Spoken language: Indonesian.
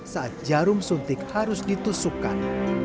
saat jarum suntik harus ditusukkan